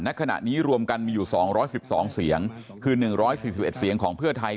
ณขณะนี้รวมกันมีอยู่๒๑๒เสียงคือ๑๔๑เสียงของเพื่อไทย